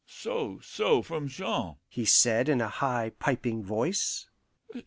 "So, so, from Jean," he said in a high, piping voice.